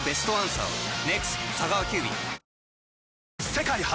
世界初！